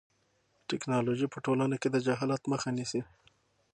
ټیکنالوژي په ټولنه کې د جهالت مخه نیسي.